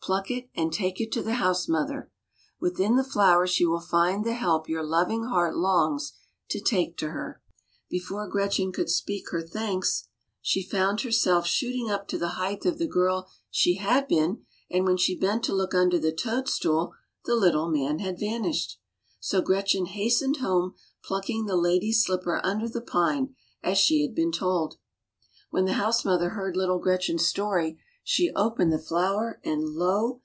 Pluck it, and take it to the house mother. Within the flower she will find the help your loving little heart longs to take to her." Before Gretchen could speak her thanks, she found THE LITTLE MAN WROTE DOWN HER NAME. 153 THE LITTLE MAN. 155 herself suddenly shooting up to the height of the girl she had been, and when she bent to look under the toadstool, the Little Man had vanished. So Gretchen hastened home, plucking the lady's slipper under the pine, as she had been told. When the house mother heard little Gretchen' s story, she opened the flower, and lo